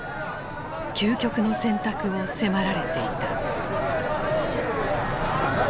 究極の選択を迫られていた。